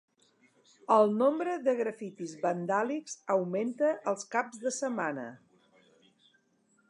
El nombre de grafitis vandàlics augmenta els caps de setmana.